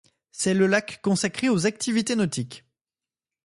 C'est le lac consacré aux activités nautiques.